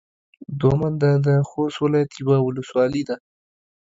دوه منده د خوست ولايت يوه ولسوالي ده.